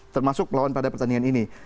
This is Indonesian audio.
termasuk melawan pada pertandingan ini